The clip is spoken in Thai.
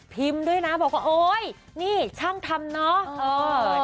พิมพ์ด้วยนะบอกว่านี่ช่างทำเนอะ